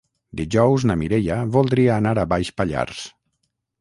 Dijous na Mireia voldria anar a Baix Pallars.